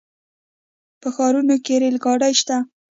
په ښارونو کې ریل ګاډي شته.